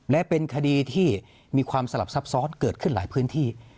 และเป็นคดีที่มีความสลับซับซ้อนเกิดขึ้นหลายพื้นที่